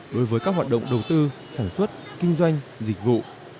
đối với các hoạt động đầu tư sản xuất kinh doanh dịch vụ